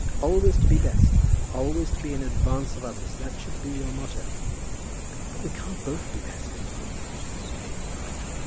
"Always to be best; always to be in advance of others. That should be your motto." "But we can't both be best, papa," said Jane.